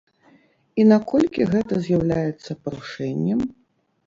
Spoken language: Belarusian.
І наколькі гэта з'яўляецца парушэннем?